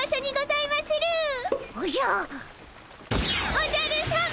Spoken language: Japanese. おじゃるさま！